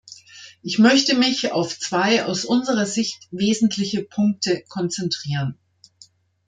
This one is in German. Ich möchte mich auf zwei aus unserer Sicht wesentliche Punkte konzentrieren.